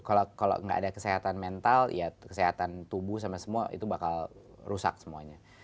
kalau nggak ada kesehatan mental ya kesehatan tubuh sama semua itu bakal rusak semuanya